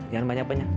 jangan banyak banyak